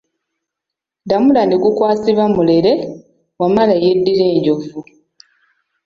Ddamula ne gukwasibwa Mulere Wamala eyeddira Enjovu.